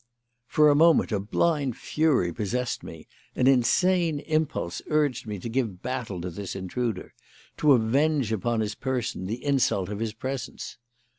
For a moment a blind fury possessed me. An insane impulse urged me to give battle to this intruder; to avenge upon his person the insult of his presence.